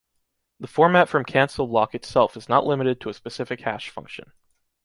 The format from "Cancel-Lock" itself is not limited to a specific hash function.